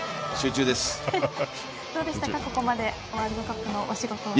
どうでしたか、ここまでワールドカップのお仕事は。